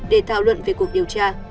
để thảo luận về cuộc điều tra